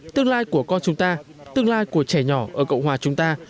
tương lai của con chúng ta tương lai của trẻ nhỏ ở cộng hòa chúng ta